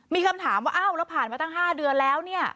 มีคำถามว่าอ้าวแล้วผ่านมาตั้ง๕เดือนแล้วเนี่ย